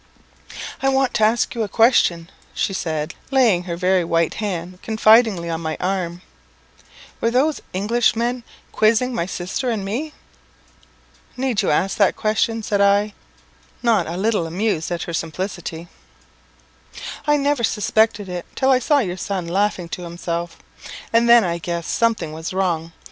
"I want to ask you a question," she said, laying her very white hand confidingly on my arm; "were those Englishmen quizzing my sister and me?" "Need you ask that question?" said I, not a little amused at her simplicity. "I never suspected it till I saw your son laughing to himself, and then I guessed something was wrong.